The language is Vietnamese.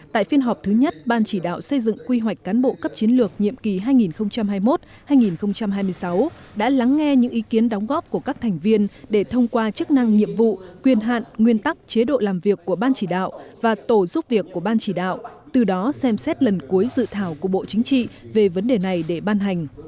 tại phiên họp thứ nhất ban chỉ đạo xây dựng quy hoạch cán bộ cấp chiến lược nhiệm kỳ hai nghìn hai mươi một hai nghìn hai mươi sáu đã lắng nghe những ý kiến đóng góp của các thành viên để thông qua chức năng nhiệm vụ quyền hạn nguyên tắc chế độ làm việc của ban chỉ đạo và tổ giúp việc của ban chỉ đạo từ đó xem xét lần cuối dự thảo của bộ chính trị về vấn đề này để ban hành